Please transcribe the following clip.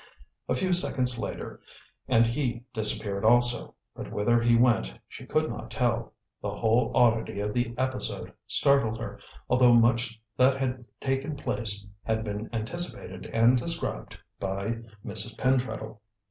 A few seconds later and he disappeared also, but whither he went she could not tell. The whole oddity of the episode startled her, although much that had taken place had been anticipated and described by Mrs. Pentreddle.